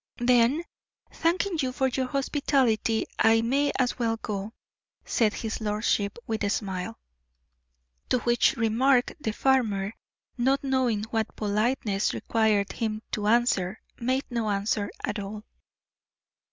"Then, thanking you for your hospitality, I may as well go," said his lordship, with a smile. To which remark the farmer, not knowing what politeness required him to answer, made no answer at all.